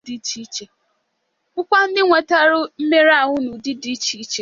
bụkwa ndị nwetara mmerụahụ n'ụdị dị iche iche